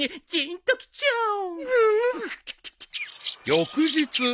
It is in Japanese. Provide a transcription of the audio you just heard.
［翌日］